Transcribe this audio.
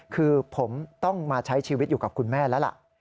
คือผมต้องมาใช้ชีวิตอยู่กับคุณแม่แล้วล่ะ